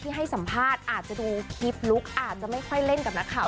ให้สัมภาษณ์อาจจะดูคลิปลุคอาจจะไม่ค่อยเล่นกับนักข่าว